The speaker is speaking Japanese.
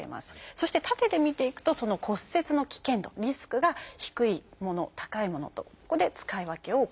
そして縦で見ていくとその骨折の危険度リスクが低いもの高いものとここで使い分けを行うということなんですね。